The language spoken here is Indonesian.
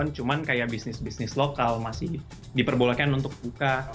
cuma kayak bisnis bisnis lokal masih diperbolehkan untuk buka